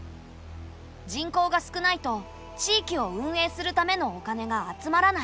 人口が少ないと地域を運営するためのお金が集まらない。